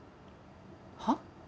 はっ？